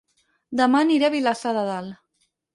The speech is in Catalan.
Dema aniré a Vilassar de Dalt